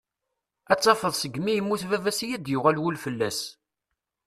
Ad tafeḍ segmi i yemmut baba-s i ay-d-yuɣal wul fall-as.